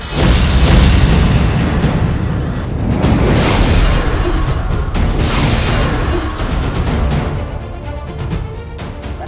sini aku obat cepet lah